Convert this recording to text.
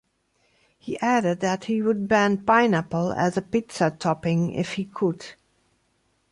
He added that he would ban pineapple as a pizza topping if he could.